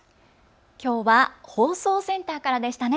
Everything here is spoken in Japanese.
きょうは放送センターからでしたね。